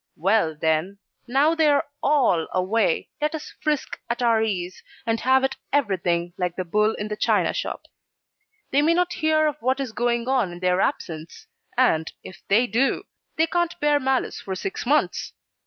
Well, then now they are ALL away, let us frisk at our ease, and have at everything like the bull in the china shop. They mayn't hear of what is going on in their absence, and, if they do they can't bear malice for six months.